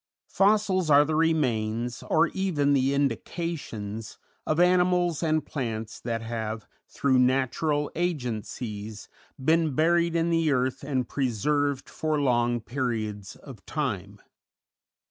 _" Fossils are the remains, or even the indications, of animals and plants that have, through natural agencies, been buried in the earth and preserved for long periods of time.